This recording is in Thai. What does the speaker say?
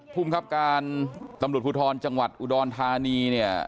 ทุ่งครับการตำรุบขุทรจังหวัดอุดรฐานี